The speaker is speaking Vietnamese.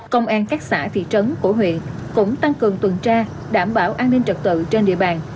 công an các xã thị trấn của huyện cũng tăng cường tuần tra đảm bảo an ninh trật tự trên địa bàn